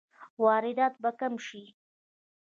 واردات به کم شي؟